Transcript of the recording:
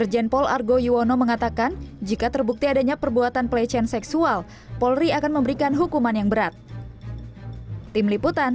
kepada pelaku iptu am